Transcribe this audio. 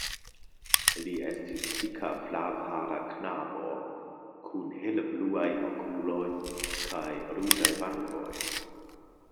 Li estis dika flavhara knabo kun helebluaj okuloj kaj ruĝaj vangoj.